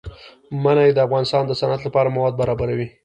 منی د افغانستان د صنعت لپاره مواد برابروي.